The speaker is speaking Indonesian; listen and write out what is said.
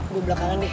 gue belakangan deh